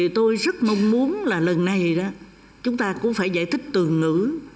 tôi rất mong muốn là lần này chúng ta cũng phải giải thích từ ngữ